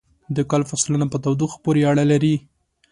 د کال فصلونه په تودوخې پورې اړه لري.